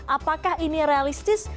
apakah ini realistis